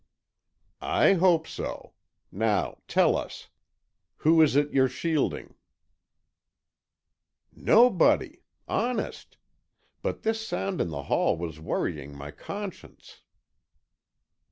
"I hope so. Now, tell us, who is it you're shielding?" "Nobody. Honest. But this sound in the hall was worrying my conscience."